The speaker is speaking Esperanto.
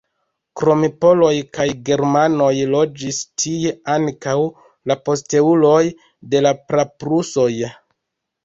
Krom poloj kaj germanoj loĝis tie ankaŭ la posteuloj de la praprusoj.